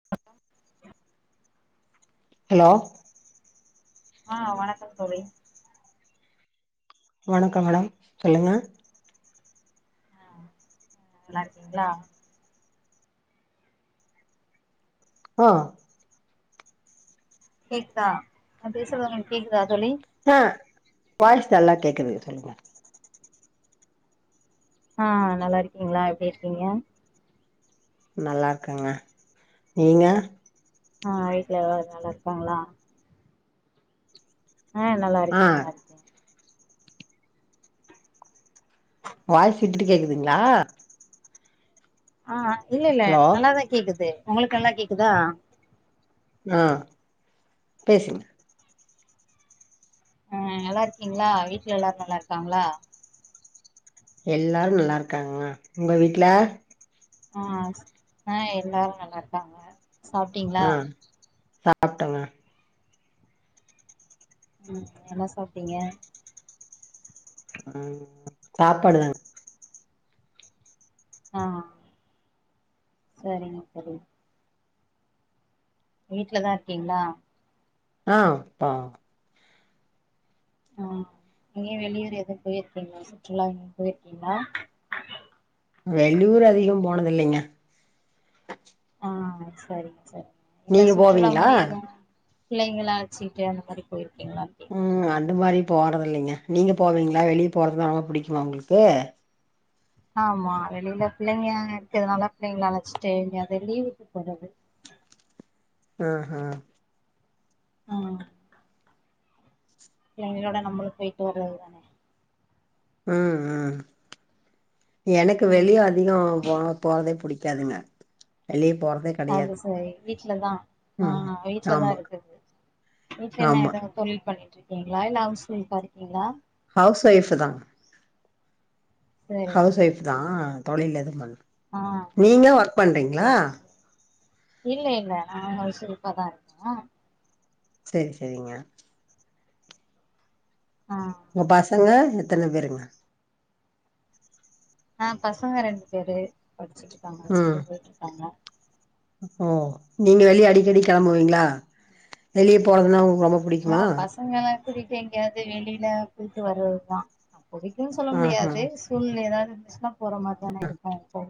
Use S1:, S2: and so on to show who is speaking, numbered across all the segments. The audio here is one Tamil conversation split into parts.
S1: [unintelligible]
S2: ஹலோ
S1: ஆ வணக்கம் தோழி
S2: வணக்கம் மேடம் சொல்லுங்க
S1: நல்லார்க்கிங்ளா
S2: ஆ
S1: கேக்தா நா பேஸ்றது உங்ளுக்கு கேக்தா தோழி
S2: ஆ வாய்ஸ் நல்லா கேக்குது சொல்லுங்க
S1: ஆ நல்லாருக்கீங்களா எப்டிருக்கீங்க
S2: நல்லார்க்கங்க நீங்க
S1: ஆ வீட்ல எல்லாரு நல்லாருக்காங்களா ஆ
S2: ஆ
S1: நல்லாருக்
S2: வாய்ஸ் இப்டி கேக்குதுங்ளா
S1: ஆ இல்ல இல்ல
S2: ஹலோ
S1: நல்லாதா கேக்குது உங்குளுக்கு நல்லா கேக்குதா
S2: ஆ பேசுங்க
S1: ஆ நல்லாருக்கீங்ளா வீட்ல எல்லாரு நல்லாருக்காங்ளா
S2: எல்லாரு நல்லாருக்காங்கக உங்க வீட்ல
S1: ஆ ஸ் ஆ எல்லாரு நல்லாருக்காங்க
S2: அ சாப்ட்டங்க
S1: ம் என்னா சாப்ட்டீங்க
S2: அ சாப்பாடு தாங்க
S1: ஆ சரிங்க சரிங்க வீட்லதா இருக்கீங்ளா
S2: ஆ பா
S1: ஆ எங்கயு வெளியூர் எதும் போயிருக்கீங்ளா சார் சுற்றுலா எங்கியு போயிருக்கீங்ளா
S2: வெளியூர் அதிகோ போனதில்லிங்க
S1: ஆ சரி சரி இல்ல
S2: நீங்க
S1: சுற்றுலா
S2: போவீங்களா
S1: மாறி எதும் பிள்ளங்கல்லா அழச்சிட்டு அந்த மாறி போயிருக்கீங்ளா
S2: ம் அந்த மாறி போறதில்லங்க நீங்க போவீங்ளா வெளிய போறதுதா ரொம்ப புடிக்குமா உங்களுக்கு
S1: ஆமா வெளில பிள்ளங்க இருக்கறதுனால பிள்ளங்கள அழச்சிட்டு எங்கயாவது லீவுக்கு போறது
S2: அ ஆ
S1: உம் பிள்ளங்களோட நம்மலும் போயிட்டு வரது தானே
S2: உம் உம் எனக்கு
S1: ம்
S2: வெளியாள் அதிகோ போ போறதே புடிக்காதுங்க வெளிய போறதே
S1: அது
S2: கெடையாது
S1: சரி வீட்லதா ஆ
S2: ம்
S1: வீட்ல தா
S2: ஆமா
S1: இருக்கறது வீட்லன்னா
S2: ஆமா
S1: எதும் தொழில் பண்ணிட்ருக்கீங்ளா இல்ல ஹவுஸ் வைப்ஃபா இருக்கீங்ளா
S2: ஹவுஸ் ஒய்ஃப் தா
S1: சரி
S2: ஹவுஸ் ஒய்ஃப் தா தொழில் எதும் பண்
S1: ஆ
S2: நீங்க ஒர்க் பண்றீங்ளா
S1: சரி சரி. இல்ல இல்ல நா ஹவுஸ் ஒய்ஃபா தா இருக்க
S2: சேரி செரிங்க
S1: ஆ
S2: உங்க பசங்க எத்தன பேருங்க
S1: அ பசங்க ரெண்டு பேரு படிச்சிட்ருக்காங்க
S2: ம்
S1: அப்டியே போயிட்ருக்காங்க
S2: ஓ நீங்க வெளிய அடிக்கடி கெளம்புவீங்களா வெளிய போறதுன்னா உங்களுக்கு ரொம்ப
S1: ஆ
S2: புடிக்குமா
S1: பசங்க கூட்டிட்டு எங்கயாவது வெளியில போயிட்டு வர்றதுதா நா புடிக்கும்ன்னு சொல்ல
S2: ஆஹா
S1: முடியாது சூழ்நிலை ஏதாவது இருந்துச்சுன்னா போற மாறி தான இருக்கும் அப்போ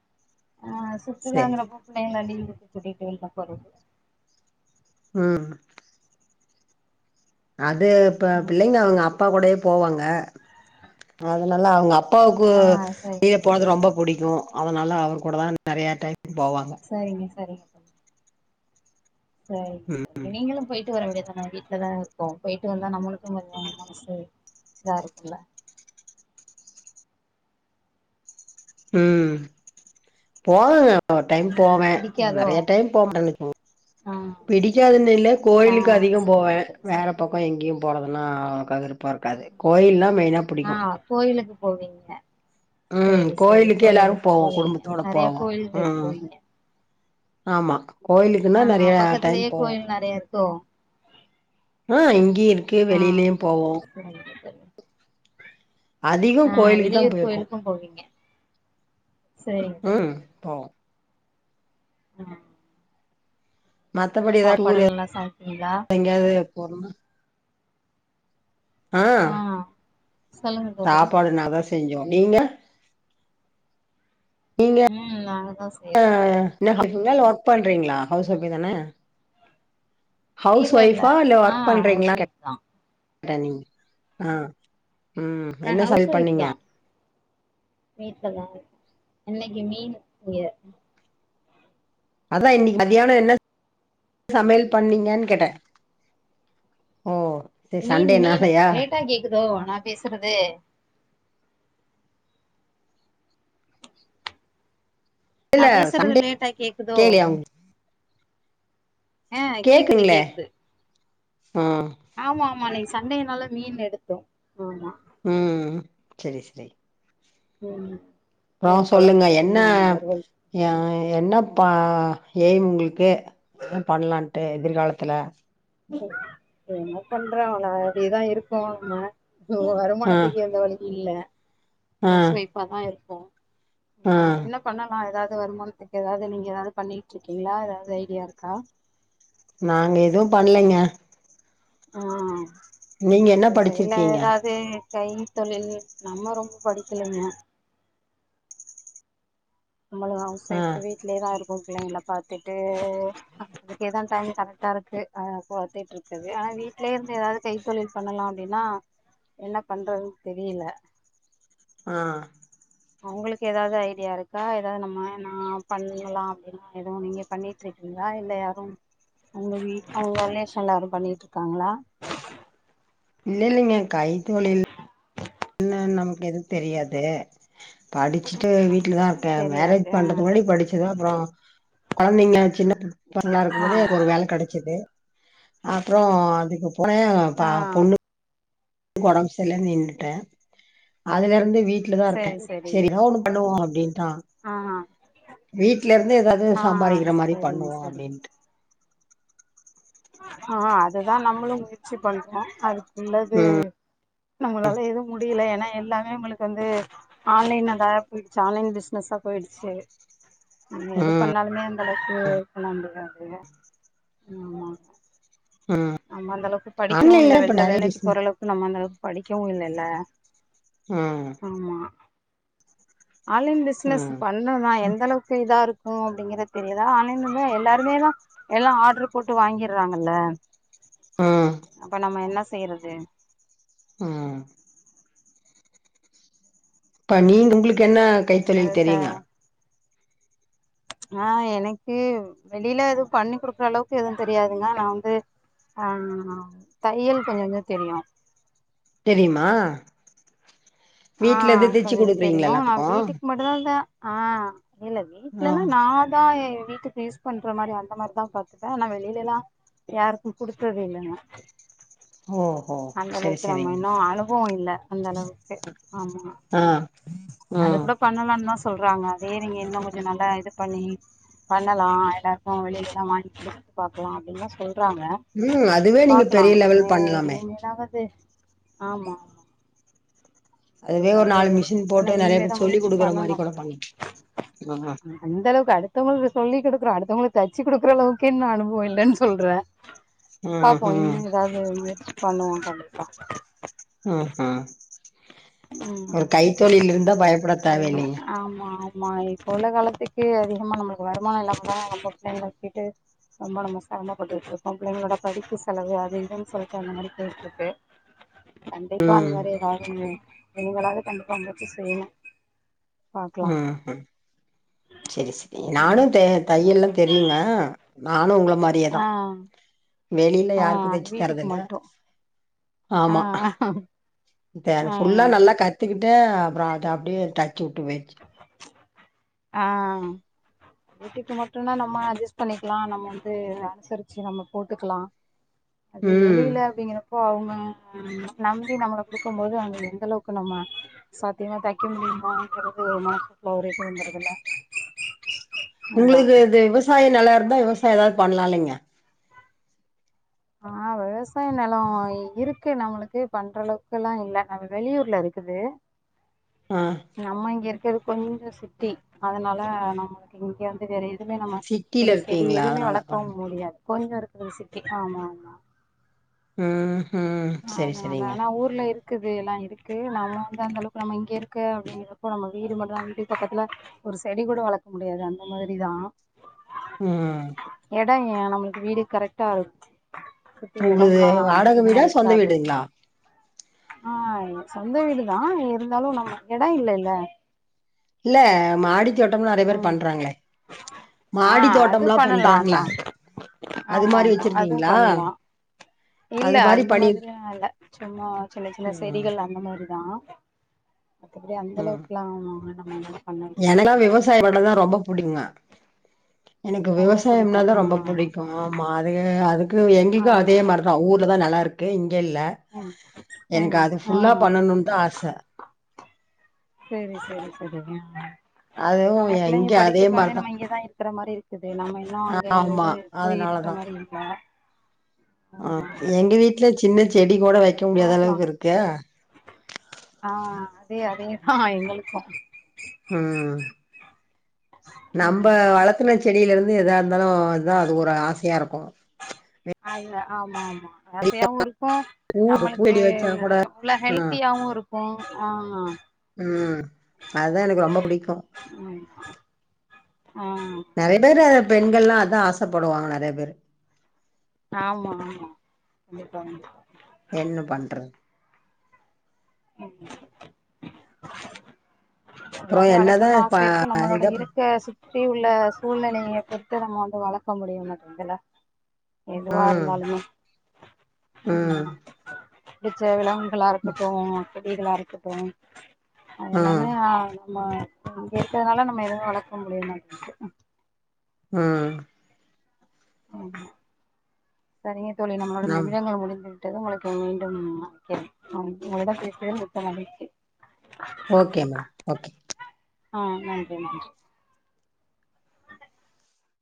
S1: [unintelligible] அ
S2: செரி
S1: சுற்றுலாங்கிறப்போ புள்ளைங்கள லீவுக்கு கூட்டிட்டு வெள்ல போறது
S2: ம் அது இப்ப பிள்ளைங்க அவுங்க அப்பா கூடயே போவாங்க அதனால அவுங்க அப் அப்பாவுக்கு
S1: ஆ சரிங்க
S2: வெளிய
S1: தோழி
S2: போறது ரொம்ப புடிக்கும் அதனால அவரு கூட தா நெறையா டைம் போவாங்க
S1: சரிங்க சரிங்க தோழி சரிங்க
S2: ம்
S1: சரி நீங்களும் போயி போயிட்டு வரவேண்டிய தானே வீட்ல தான இருக்கோ போயிட்டு வந்தா நம்மளுக்கும் கொஞ்சோ மனசு இதா இருக்குல்ல
S2: உம் போவங்க ஒரு டைம் போவ
S1: பிடிக்காதோ
S2: நெறையா டைம் போமாட்ட வச்சுக்கோங்க
S1: ஆ
S2: பிடிக்காதுன்னு இல்ல
S1: ஆ
S2: கோயிலுக்கு அதிகம் போவே
S1: சரிங்க தோழி
S2: வேற
S1: சரிங்க
S2: பக்கம்
S1: தோழி
S2: எங்கியு போறதுன்னா எனக்கு விருப்பம் இருக்காது கோயில்னா மெயினா
S1: அ
S2: புடிக்கு
S1: கோயிலுக்கு போவீங்க
S2: ம்
S1: சேரி சரி
S2: எல்லாரு
S1: கோயிலுக்கு
S2: போவோ
S1: போவீங்க
S2: குடும்பத்தோட
S1: நறையா
S2: போவோ
S1: கோயில்களுக்கு
S2: ம்
S1: போவீங்க
S2: ஆமா கோயிலுக்குன்னா நறியா டைம் போவோ
S1: நறையா இருக்கோ
S2: ம் இங்கியு இருக்கு
S1: ஆ
S2: வெளியிலயும் போவோ
S1: [unintelligible]
S2: அதிகோ
S1: ஆ
S2: கோயிலுக்குதா போயிருக்கோ
S1: சேரிங்கத் தோழி
S2: ம் போவோ
S1: ம்
S2: மத்தபடி எதாவ் ஊரு
S1: சாப்ட்டீங்களா
S2: எங்கயாவது போணுனா ஆ
S1: சொல்லுங்க தோழி
S2: சாப்பாடு நாதா செஞ்சோ நீங்க நீங்க
S1: ம் நாங்கதா செய்றோ
S2: அ என்ன [unintelligible] இல்ல ஒர்க் பண்றீங்ளா ஹவுஸ் ஒஃய்பேதானே ஹவுஸ்
S1: இல்ல
S2: ஒய்ஃபா இல்ல
S1: ஆ
S2: ஒர்க்
S1: ஹவுஸ்
S2: பண்றீங்ளான்
S1: ஒய்ஃப் தா
S2: கேட்டனீ ஆ ம்
S1: அ
S2: என்ன
S1: ஹவுஸ்
S2: சமையல் பண்ணீங்க
S1: ஒய்ஃப்தா வீட்லதா இன்னக்கி மீன் இங்க
S2: அதா இன்னிக்கி மதியானோ என்ன சமையல் பண்ணீங்கன் கேட்டே ஓ சே சண்டே நாளையா
S1: துறோ நாப் பேசறதே நா
S2: இல்ல
S1: பேசறது
S2: சண்டே
S1: லேட்டா கேக்குதோ
S2: கேக்கலையா உங்களுக்கு
S1: அ கேக்குது
S2: கேக்குங்களே
S1: கேக்குது
S2: ஆ
S1: ஆமாமா இன்னக்கி சண்டேனால மீன் எடுத்தோ ஆமா
S2: ம் செரி செரி
S1: ம் மீன் கொழம்பு மீன் வருவல்
S2: எ என்னாப்பா எய்ம் உங்குளுக்கு பண்லான்ட்டு எதிர்காலத்துல
S1: இப்ப என்னப் பண்ற அவ்ள அப்டிதா இருக்கு நம்ம உங்க
S2: ஆ
S1: வருமானத்துக்கு எந்த வழியு இல்ல
S2: ஆ
S1: ஹவுஸ் ஒய்ஃபாதா இருக்கோ
S2: ஆ
S1: ஆமா என்னப் பண்ணலா எதாவது வருமானத்துக்கு எதாவது நீங்க எதாவது பண்ணிட்ருக்கீங்ளா எதாவது ஐடியா இருக்கா
S2: நாங்க எதுவும் பண்லைங்க நீங்க என்ன
S1: த சைட்ல
S2: படிச்சிருக்கீங்க
S1: எதாது கைத்தொழில் நம்ம ரொம்ப படிக்கலைங்க நம்மளு ஹவுஸ்
S2: ஆ
S1: ஒய்ஃபு வீட்லியேதா இருக்கோ புள்ளைங்ளப் பாத்துட்டு அதுக்கேதா டைம் கரெக்டா இருக்கு அ பாத்துட்ருக்கது அ வீட்லே இருந்து எதாது கைத்தொழில் பண்ணலா அப்டினா என்னப் பண்றதுன் தெரியில
S2: ஆ
S1: அவுங்குளுக்கு எதாது ஐடியா இருக்கா எதா நம்ம நாப் பண்ணலா அப்டினா எதுவு நீங்கப் பண்ணிட்ருக்கீங்ளா இல்ல யாரும் உங்க வீட் அவுங்க ரிலேஷன் எல்லாரு பண்ணிட்ருக்காங்களா
S2: இல்ல இல்லிங்க கைத்தொழில் என்னன் நமக்கு எதுந் தெரியாது படிச்சுட்டு வீட்லதா இருக் டே மேரேஜ்
S1: தெரியாது
S2: பண்றதுக்கு
S1: ஆஹ்
S2: முன்னாடி படிச்சது அப்றோ கொழந்தைங்ள சின்ன பிள்ளைங்ளா இருக்கும் போதே
S1: ஆஹ்
S2: ஒரு வேல கெடச்சது அப்றோ அதுக்குப் போனே பா
S1: ஆஹ்
S2: பொண்ணு ஒடம் செர்லன் நின்னுட்டே அதுல இருந்து வீட்லதா இருக்கே
S1: சரி சரி
S2: செரி எதோ ஒன்னுப் பண்ணுவோ அப்டின்ட்டா
S1: ஆஹ்
S2: வீட்ல இருந்து எதாது
S1: ஆ
S2: சாம்பாரிக்கிற மாரி
S1: சரிங்க
S2: பண்ணுவோ
S1: சரிங்க
S2: அப்டின்ட்டு
S1: ஆ அதுதா நம்ளு முயற்சி பண்றோ அதுக்குள்ளது
S2: ம்
S1: நம்மளால எதும் முடியல எனா எல்லாமே உங்களுக்கு வந்து ஆன்லைன் அதா போயிடுச்சு ஆன்லைன் பிசினஸா போயிடுச்சு நம்ம எதுப்
S2: ம்
S1: பண்ணாலுமே அந்தளவுக்கு பண்ண முடியாது ஆமா
S2: ம்
S1: நம்ம அந்தளவுக்கு படிக்கவு இல்ல
S2: ஆன்லைன்ல இப்ப
S1: வெள்ல
S2: நெறைய
S1: வேலைக்குப்
S2: பிசினஸ்
S1: போறளவுக்கு நம்ம அந்தளவுக்கு படிக்கவு இல்லல்ல
S2: ம்
S1: ஆமா ஆன்லைன் பிசுனஸ்
S2: ம்
S1: பண்ணலா எந்தளவுக் கு இதா இருக்கோம் அப்படிங்குறது தெரியல ஆன்லைன்ல எல்லாருமேதா எல்லா ஆர்டர் போட்டு வாங்கிறாங்கல்ல
S2: ம்
S1: அப்ப நம்ம என்ன செய்றது
S2: ம் ப்ப நீங் ஒங்களுக்கு என்ன
S1: அதனால
S2: கைத்தொழில் தெரியுங்க
S1: ஆ எனக்கு வெளில எதுவு பண்ணி குடுக்குற அளவுக்கு எதுவு தெரியாதுங்க ஆனா வந்து ஆ தையல் கொஞ்ச கொஞ்சோ தெரியும்
S2: தெரியுமா
S1: ஆ
S2: வீட்ல இருந்து தச்சு குடுக்குறீங்களா எல்லாத்துக்கும்
S1: அதனால்தா ஆ இல்ல
S2: ஆ
S1: வீட்டுலன்னா நாதா எ வீட்டுக்கு யூஸ் பண்ற மாரி அந்த மாரிதா பாத்துப்ப ஆனா வெளில எல்லா யாருக்கு குடுத்தது இல்லங்க
S2: ஓஹோ
S1: அந்த
S2: செரி
S1: அளவுக்கு நம்ம
S2: செரிங்க
S1: இன்னு அனுபவோ இல்ல அந்த அளவுக்கு ஆமா
S2: ஆ ஆ
S1: அது கூட பண்ணலானுதா சொல்றாங்க அதயே இன்னு கொஞ்சோ நல்லா இது பண்ணி பண்ணலா எல்லாருக்கும் வெளில எல்லா வாங்கி குடுத்து பாக்கலா அப்படின்னுலா சொல்றாங்க
S2: ம் அதுவே நீங்க
S1: பாக்கலா
S2: பெரிய லெவல்
S1: இனிமே
S2: பண்லாமே
S1: இனிமேலாவது ஆமா ஆமா
S2: அதுவே ஒரு
S1: ஏதாவது
S2: நாலு மிஷின்
S1: ஆனா
S2: போட்டு நெறைய பேர்
S1: இனிமேதா
S2: சொல்லி்
S1: முயற்சி
S2: குடுக்குற மாரி
S1: பண்ணணு
S2: கூட பண்லா அமா
S1: அந்த அளவுக்கு அடுத்தவங்களுக்கு சொல்லி் குடுக்குற அடுத்தவங்களுக்கு தச்சு கொடுக்குற அளவுக்கே இன்னு அனுபவோ இல்லன் சொல்ற
S2: ம்
S1: பாப்போ
S2: ம்
S1: இன்னும் எதாது முயற்சி பண்ணுவோ கண்டிப்பா
S2: ம் ம் ஒரு
S1: ம்
S2: கைத்தொழில் இருந்தா பயப்பட தேவ
S1: ம்
S2: இல்லீங்க
S1: ஆமா ஆமா இப்போல காலத்துக்கே அதிகமா நம்மளுக்கு வருமானம் இல்லாததால நம்ம பிள்ளைகள விட்டுட்டு ரொம்ப நம்ம சிரம பட்டுட்டு இருக்கோ பிள்ளைங்களோட படிப்பு செலவு அது இதுன்னு சொல்ட்டு அந்த மாதிரி போயிட்டு இருக்கு கண்டிப்பா அந்த
S2: ம்
S1: மாரி ஏதாது நீங்களாது கண்டிப்பா முயற்சா செய்ங்க
S2: ம் ம் சேரி செரி நானும் தே தையல்லா தெரியுங்க நானு உங்கள மா
S1: ஆ
S2: ப்டியேதா வெளில
S1: ஆ
S2: யாருக்கு வெச்சு தரது
S1: வீட்டுக்கு
S2: இல்ல
S1: மட்டு ஆ
S2: ஆமா தென
S1: ஆ
S2: ஃபுல்லா நல்லா க த்துக்கிட்ட அப்ற அது அப்டியே டச்சு விட்டு போய்
S1: ஆ வீட்டுக்கு மட்டுனா நம்ம அட்ஜஸ்ட் பண்ணிக்கலா நம்ம வந்து அனுசரிச்சி நம்ம போட்டுக்கலா அது
S2: ம்.
S1: வெளில அப்படிங்கற போ அவுங்க நம்பி நம்மள குடுக்கும்போது அவங்க எந்த அளவுக்கு நம்ம சத்தியமா தைக்க முடியும் தெரியில
S2: உங்களுது இது விவசாய நெலம் இருந்தா விவசாயம் ஏதாவது பண்ணலா இல்லைங்க
S1: ஆ வ விவசாய நெலம் இருக்கு நம்மளுக்கு பண்ற அளவுக்குல்லாம் இல்ல நம்ம வெளியூர்ல இருக்குது
S2: ஆ
S1: நம்ம இங்க இருக்கறது கொஞ்ச சிட்டி அதனால நம்மளுக்கு இங்க வந்து இங்க நம்ம
S2: சிட்டில
S1: ஒரு செடி
S2: இருக்கீங்களா?
S1: எதுவ்மே
S2: அதனால பண்ண
S1: வளக்கவும் முடியாது கொஞ்சோ இருக்குறது சிட்டி ஆமா ஆமா
S2: ம் ம் சேரி
S1: அதனால
S2: சேரிங்க
S1: ஆனா ஊர்ல இரு இருக்குது எல்லா இருக்கு நம்ம வந்து அந்த அளவுக்கு நம்ம இங்க இருக்கு அப்படிங்கிறப்போ நம்ம வீடு மட்டுந்தா வீட்டு பக்கத்துல ஒரு செடி கூட வளக்க முடியாது அந்த மாதிரி தா
S2: ம்
S1: எடம் ஏ நம்மளுக்கு வீடு கரெக்டா இருக்
S2: உங்கது வாடக வீடா சொந்த
S1: இருக்காது
S2: வீடுங்களா
S1: ஆ சொந்த வீடுதா இருந்தாலு நம்ம எடம் இல்லல்ல
S2: இல்ல மாடித்தோட்டம் நெறைய பேரு
S1: ம்
S2: பண்றாங்களே
S1: ஆ
S2: மாடி
S1: அது
S2: தோட்டம்ல்லாம் பண்றாங்களா
S1: பண்ணலாந்தா
S2: அது
S1: ஆமா
S2: மாரி
S1: ஆமா அதுவு
S2: வச்சிருக்கீங்களா
S1: பண்லா இல்ல
S2: அது மாரி
S1: அந்த
S2: பண்ணி
S1: மாதிரி இல்ல சும்மா சின்ன சின்ன
S2: ம்,
S1: செடிகள் அந்த மாரிதா மத்தபடி அந்த
S2: ம்.
S1: அளவுக்குல்லாம் நம்ம எதும் பண்ணல
S2: விவசாய பண்ணதா ரொம்ப புடிங்க எனக்கு
S1: ரொம்ப
S2: விவசாயம்னா
S1: புடிக்கு
S2: தான் ரொம்ப புடிக்கும் ஆமா அது அதுக்கு
S1: ஆ ஆ
S2: எங்களுக்கு அதே மாரிதா ஊர்ல தா நெலோ இருக்கு இங்க இல்ல
S1: ம்
S2: எனக்கு
S1: ம்
S2: அது
S1: ஆ
S2: ஃபுல்லா பண்ணணுன்னு தா ஆச
S1: சேரி சேரி சேரிங்க
S2: அதுவு எங்க அதே மாரிதா
S1: இருக்கிற மாரி இருக்குது நம்ம இன்னு அங்க
S2: ஆமா.
S1: இது போயி
S2: அதனால
S1: இருக்கிற
S2: தான்.
S1: மாரி இல்ல
S2: ஆ
S1: ஆமா
S2: எங்க வீட்ல சின்ன செடி கோட வைக்க முடியாத
S1: பாக்லா
S2: அளவுக்கு இருக்கே
S1: ஆ அதே அதேதா எங்களுக்கு
S2: ம் நம்ப
S1: ம்
S2: வளத்துன செடியில இருந்து எதா இருந்தாலு அதுதா அது ஒரு ஆசையா இருக்கு
S1: அத ஆமா ஆமா ஆசையாவு இருக்கு
S2: பூ ஒரு
S1: நம்மளுக்கு
S2: பூச்செடி வச்சா கூட
S1: உள்ள
S2: ஆ.
S1: ஹெல்த்தியாவு இருக்கு ம் ஆ
S2: ம் அதா எனக்கு ரொம்ப புடிக்கும்
S1: ம் ஆ
S2: நெறைய பேரு பெண்கள்லா அதா ஆசப்படுவாங்க நெறைய பேரு
S1: ஆமா ஆமா வந்துட்டோ
S2: என்ன பண்றது
S1: ம்
S2: அப்புறோ
S1: எல்லாமே
S2: என்னதா
S1: வளக்கனுன்
S2: ப
S1: ஆச இருக்கு நம்மளோட
S2: இத
S1: இருக்க சு த்தி உள்ள சூழ்நெலைய பொறுத்து நம்ம வந்து வளக்க முடிய மாட்டுன்துல எதுவா
S2: ம்
S1: இருந்தாலுமே ம் புடிச்சதெல்லாம் கலா இருக்கட்டு கொடிகளா இருக்கட்டு அது
S2: ம்
S1: எல்லாமே நம்ம இங்க இருக்கதனால நம்ம எதுவு வளக்க முடிய மாட்டுந்து
S2: ம்
S1: ம் சரிங்க தோழி நம்ளோட
S2: நம்
S1: நிமிடங்கள் முடிந்தது விட்டது [unintelligible] உங்களிடம் பேசுனது மிக்க மகிழ்ச்சி
S2: ஓகே மேடம் ஓகே
S1: ஆ நன்றி நன்றி